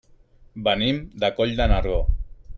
Venim de Coll de Nargó.